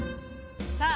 さあ